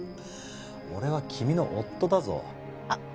俺は君の夫だぞあっ